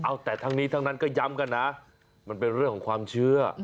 เอาแต่ทั้งนี้ทั้งนั้นก็ย้ำกันนะมันเป็นเรื่องของความเชื่อ